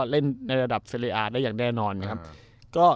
เล่นในระดับเสรียอ่านได้อย่างแน่นอนนะครับ